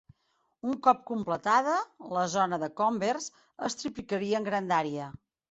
Un cop completada, la zona de Converse es triplicaria en grandària.